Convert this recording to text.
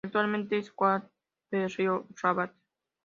Actualmente es "coach" de Tito Rabat.